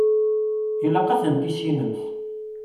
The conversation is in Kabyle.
Ilaq ad ten-tissinemt.